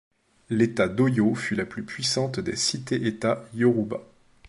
L'État d'Oyo fut la plus puissante des cités-États yorubas.